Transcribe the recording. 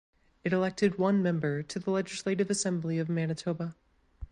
It elected one member to the Legislative Assembly of Manitoba.